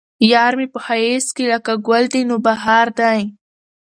يار مې په ښايست کې لکه ګل د نوبهار دى